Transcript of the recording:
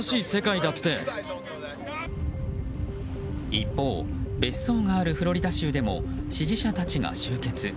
一方、別荘があるフロリダ州でも支持者たちが集結。